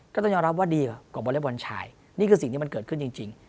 ก็ต้องยอมรับว่าดีกว่าของวอเล็กบอลชายนี่คือสิ่งที่มันเกิดขึ้นจริง